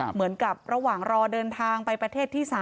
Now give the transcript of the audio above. เหมือนกับระหว่างรอเดินทางไปประเทศที่๓